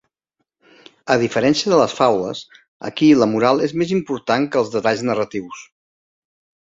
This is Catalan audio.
A diferència de les faules, aquí la moral és més important que els detalls narratius.